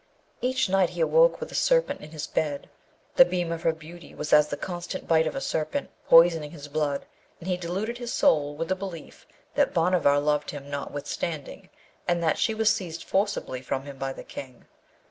Each night he awoke with a serpent in his bed; the beam of her beauty was as the constant bite of a serpent, poisoning his blood, and he deluded his soul with the belief that Bhanavar loved him notwithstanding, and that she was seized forcibly from him by the King.